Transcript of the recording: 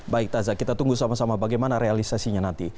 baik taza kita tunggu sama sama bagaimana realisasinya nanti